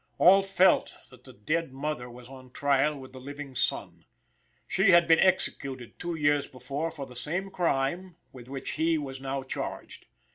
All felt that the dead mother was on trial with the living son. She had been executed two years before for the same crime with which he was now charged.